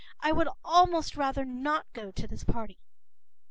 I would almost rather not go to this party.